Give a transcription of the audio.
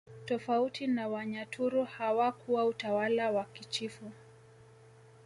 Tofauti na Wanyaturu hawakuwa utawala wa kichifu